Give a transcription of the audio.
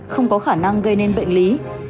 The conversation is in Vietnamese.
không có khả năng gây nên bệnh lý